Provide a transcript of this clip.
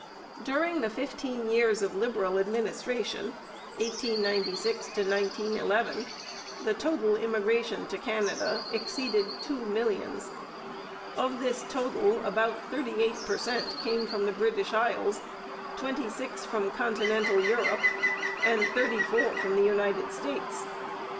During the fifteen years of Liberal administration (1896 1911) the total immigration to Canada exceeded two millions. Of this total about thirty eight per cent came from the British Isles, twenty six from Continental Europe, and thirty four from the United States.